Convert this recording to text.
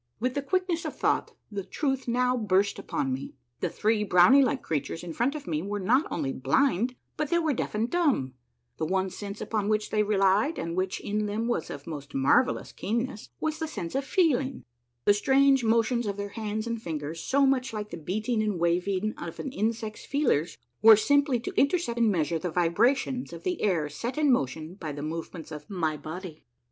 With the quickness of thought the truth now burst upon me : The three brownie like creatures in front of me were not only blind, but they were deaf and dumb. The one sense upon which A MABFELLOUS UNDERGROUND JOURNEY 93 they relied, and which in them was of most marvellous keenness, was the sense of feeling. The strange motions of their hands and fingers, so much like the beating and waving of an insect's feelers, were simply to intercept and measure the vibrations of the air set in motion by the movements of my body.